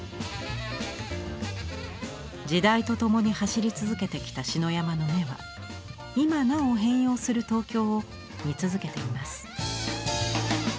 時代と共に走り続けてきた篠山の目は今なお変容する東京を見続けています。